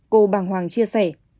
cô bàng hoàng chia sẻ